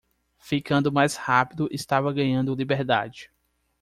Ficando mais rápido estava ganhando liberdade.